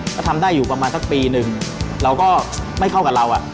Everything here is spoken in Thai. ก็ทำได้อยู่ประมาณสักปีหนึ่งเราก็ไม่เข้ากับเรา